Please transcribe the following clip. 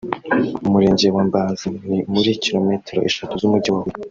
mu Murenge wa Mbazi ni muri kilometero eshatu z’Umujyi wa Huye